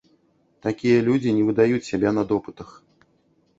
Такія людзі не выдаюць сябе на допытах.